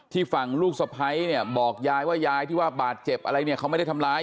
ฝั่งลูกสะพ้ายเนี่ยบอกยายว่ายายที่ว่าบาดเจ็บอะไรเนี่ยเขาไม่ได้ทำร้าย